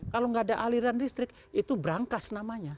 kalau gak ada aliran listrik itu brangkas namanya